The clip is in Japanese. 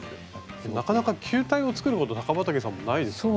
なかなか球体を作ること高畠さんもないですよね？